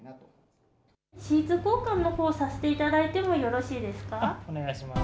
シーツ交換のほう、させていただいてもよろしいですか？